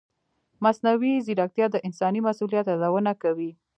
مصنوعي ځیرکتیا د انساني مسؤلیت یادونه کوي.